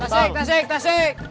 tasik tasik tasik